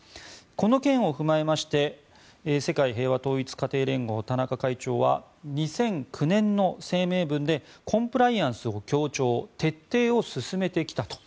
この件を踏まえまして世界平和統一家庭連合田中会長は２００９年の声明文でコンプライアンスを強調徹底を進めてきたと。